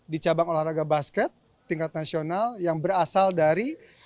di cabang olahraga basket tingkat nasional yang berasal dari